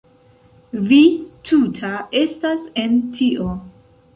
Vi tuta estas en tio!